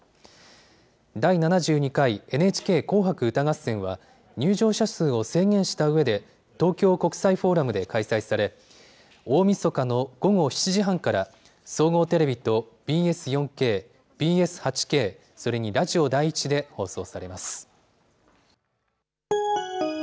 第７２回ＮＨＫ紅白歌合戦は、入場者数を制限したうえで、東京国際フォーラムで開催され、大みそかの午後７時半から、総合テレビとＢＳ４Ｋ、ＢＳ８Ｋ、それにラジオ第１で放送されます。